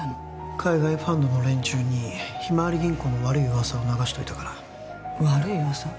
海外ファンドの連中にひまわり銀行の悪い噂を流しといたから悪い噂？